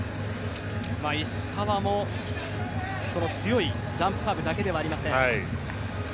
石川もその強いジャンプサーブだけではありません。